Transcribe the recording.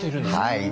はい。